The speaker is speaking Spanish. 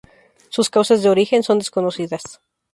Sus causas de origen son desconocidas.